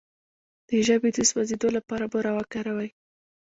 د ژبې د سوځیدو لپاره بوره وکاروئ